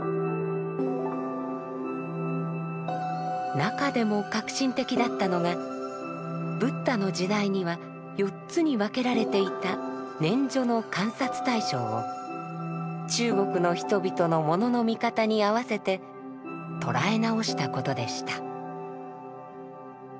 中でも革新的だったのがブッダの時代には四つに分けられていた「念処」の観察対象を中国の人々のものの見方に合わせてとらえ直したことでした。